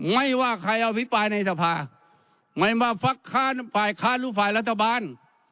ไม่ว่าใครเอาพิปรายในทภาพไม่ว่าฟักฆ่าภายคลาดรูปภายรัฐบาล